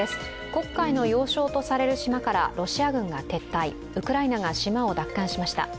黒海の要衝とされる島からロシア軍が撤退、ウクライナが島を奪還しました。